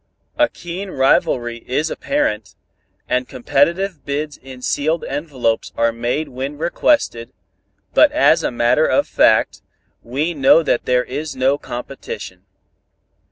A keen rivalry is apparent, and competitive bids in sealed envelopes are made when requested, but as a matter of fact, we know that there is no competition.